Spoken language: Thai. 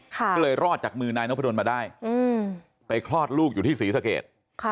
ก็เลยรอดจากมือนายนพดลมาได้ไปคลอดลูกอยู่ที่ศรีสเกต